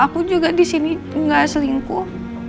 aku juga disini nggak selingkuh